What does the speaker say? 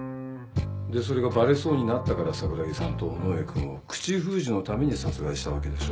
でそれがバレそうになったから桜樹さんと尾ノ上君を口封じのために殺害したわけでしょう？